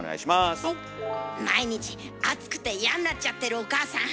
毎日暑くて嫌んなっちゃってるお母さん